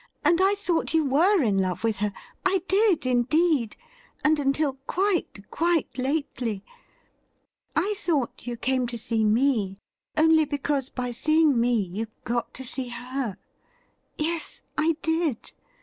And I thought you were in love with her — I did indeed, and until quite, quite lately. I thought you came to see me only because by seeing me you got to see her. Yes, I did.